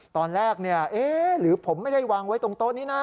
ตอนแรกหรือผมไม่ได้วางไว้ตรงโต๊ะนี้นะ